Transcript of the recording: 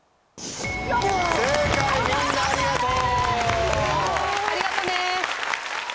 みんなありがとう。